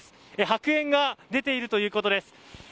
白煙が出ているということです。